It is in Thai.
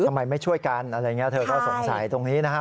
ทำไมไม่ช่วยกันอะไรอย่างนี้เธอก็สงสัยตรงนี้นะฮะ